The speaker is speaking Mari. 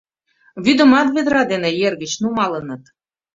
Вӱдымат ведра дене ер гыч нумалыныт.